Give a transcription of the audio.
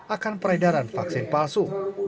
akan peredaran vaksin palsu